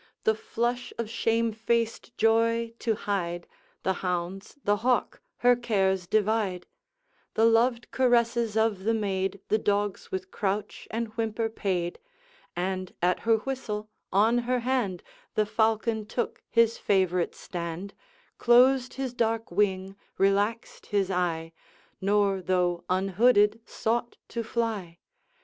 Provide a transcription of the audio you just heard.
The flush of shame faced joy to hide, The hounds, the hawk, her cares divide; The loved caresses of the maid The dogs with crouch and whimper paid; And, at her whistle, on her hand The falcon took his favorite stand, Closed his dark wing, relaxed his eye, Nor, though unhooded, sought to fly.